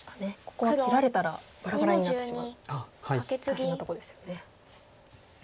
ここは切られたらバラバラになってしまう大変なとこですよね。